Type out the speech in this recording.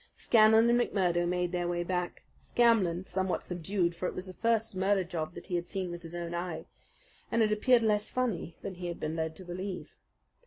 Scanlan and McMurdo made their way back; Scanlan somewhat subdued, for it was the first murder job that he had seen with his own eyes, and it appeared less funny than he had been led to believe.